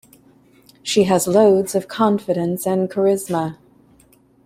She has loads of confidence and charisma.